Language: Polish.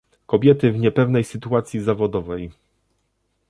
Kobiety w niepewnej sytuacji zawodowej